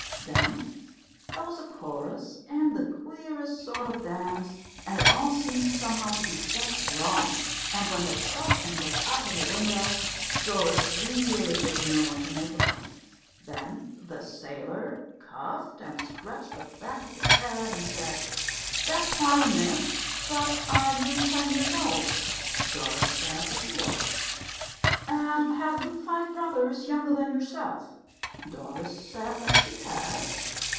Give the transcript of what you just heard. Then there was a chorus and the queerest sort of dance, and it all seemed somehow to be just wrong; and when they stopped and looked up at her window Doris really didn't know what to make of them. Then the sailor coughed, and scratched the back of his head, and said, "Beg pardon, miss, but are you ten years old?" Doris said that she was. "And have you five brothers younger than yourself?" Doris said that she had.